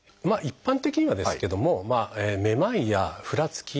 一般的にはですけども「めまい」や「ふらつき」